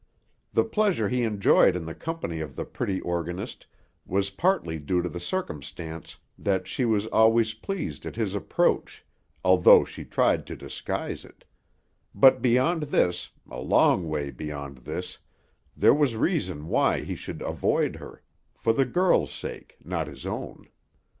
The pleasure he enjoyed in the company of the pretty organist was partly due to the circumstance that she was always pleased at his approach, although she tried to disguise it; but beyond this, a long way beyond this, there was reason why he should avoid her; for the girl's sake, not his own.